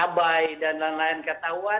abai dan lain lain ketahuan